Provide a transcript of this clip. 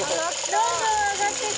どんどん上がってく。